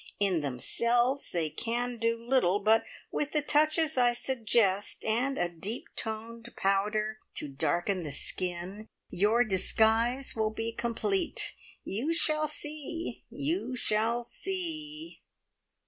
In themselves they can do little, but with the touches I suggest, and a deep toned powder to darken the skin, your disguise will be complete. You shall see you shall see!"